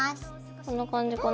こんな感じかな？